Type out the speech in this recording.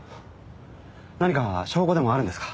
何か証拠でもあるんですか？